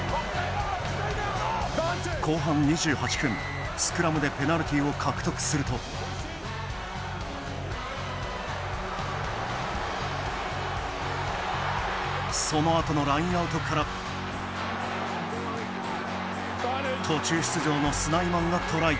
後半２８分でペナルティーを獲得するとそのあとのラインアウトから途中出場のスナイマンがトライ。